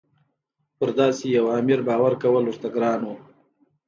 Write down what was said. په داسې یوه امیر باور کول ورته ګران وو.